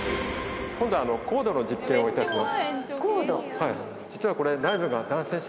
今度はコードの実験をいたしコード？